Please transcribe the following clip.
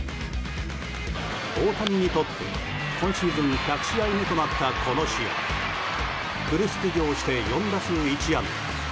大谷にとって今シーズン１００試合目となったこの試合フル出場して４打数１安打。